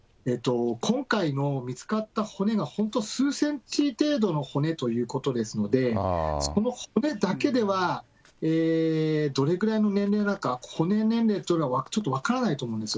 今回の見つかった骨が本当、数センチ程度の骨ということですので、そこの骨だけでは、どれぐらいの年齢なのか、骨年齢というのは分からないと思うんです。